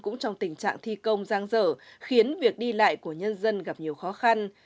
cũng trong tình trạng thi công giang dở khiến việc đi lại của nhân dân gặp nhiều khó khăn